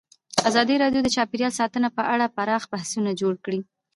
ازادي راډیو د چاپیریال ساتنه په اړه پراخ بحثونه جوړ کړي.